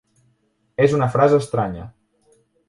És una frase estranya.